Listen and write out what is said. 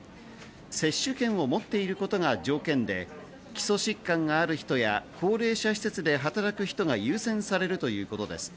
接種券を持っていることが条件で基礎疾患がある人や高齢者施設で働く人が優先されるということです。